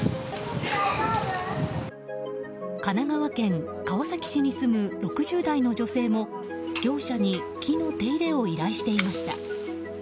神奈川県川崎市に住む６０代の女性も業者に木の手入れを依頼していました。